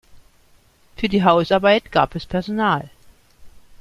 Für die Hausarbeit gab es Personal.